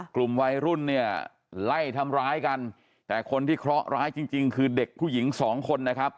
กลุ่มวัยรุ่นเนี่ยไล่ทำร้ายกันแต่คนที่เคราะหร้ายจริงจริงคือเด็กผู้หญิงสองคนนะครับ